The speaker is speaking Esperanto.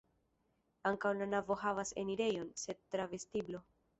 Ankaŭ la navo havas enirejon, sed tra vestiblo.